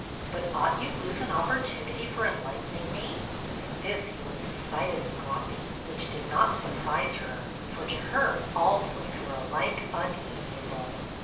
" But ought you lose an opportunity for enlightening me ?" At this he looked decidedly grumpy, which did not surprise her, for to her all boys were alike unami able.